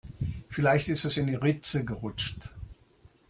Vielleicht ist es in die Ritze gerutscht.